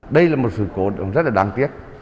đây là một sự cố rất là đáng tiếc